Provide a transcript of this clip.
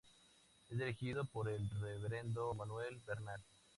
Es dirigido por el reverendo Manuel Bernal.